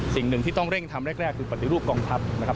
สิ่งหนึ่งที่ต้องเร่งทำแรกคือปฏิรูปกองทัพนะครับ